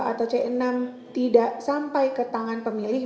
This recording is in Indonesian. atau c enam tidak sampai ke tangan pemilih